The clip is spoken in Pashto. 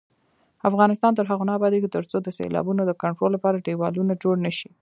افغانستان تر هغو نه ابادیږي، ترڅو د سیلابونو د کنټرول لپاره دېوالونه جوړ نشي.